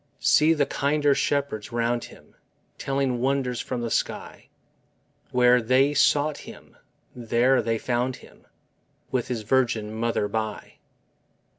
See the kinder shepherds round Him, Telling wonders from the sky! Where they sought Him, there they found Him, With His Virgin mother by.